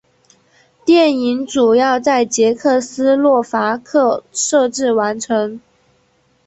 电影主要在捷克斯洛伐克摄制完成。